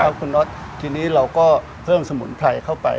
คุณน็อตทีนี้เราก็เพิ่มสมุนไพรเข้าไป